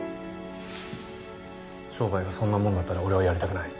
商売がそんなもんだったら俺はやりたくない。